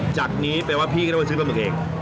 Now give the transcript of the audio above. จากนี้แปลว่าพี่ก็ต้องไปซื้อปลาหมึกเอง